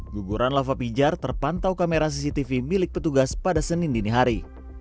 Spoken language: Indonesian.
guguran lava pijar terpantau kamera cctv milik petugas pada senin dini hari